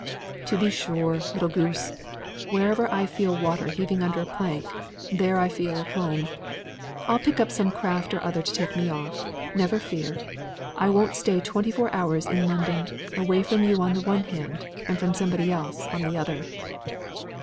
"To be sure, little goose. Wherever I feel water heaving under a plank, there I feel at home. I'll pick up some craft or other to take me off, never fear. I won't stay twenty four hours in London, away from you on the one hand, and from somebody else on the other."